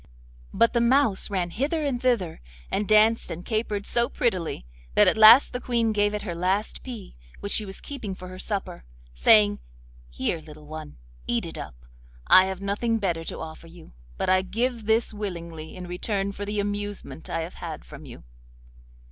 But the mouse ran hither and thither, and danced and capered so prettily, that at last the Queen gave it her last pea, which she was keeping for her supper, saying: 'Here, little one, eat it up; I have nothing better to offer you, but I give this willingly in return for the amusement I have had from you.